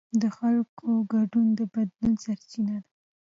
د خلکو ګډون د بدلون سرچینه ده